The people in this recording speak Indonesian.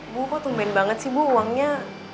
ibu kok tumben banget sih bu uangnya